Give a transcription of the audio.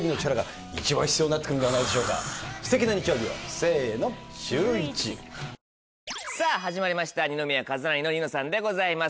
その部分のとさぁ始まりました二宮和也の『ニノさん』でございます。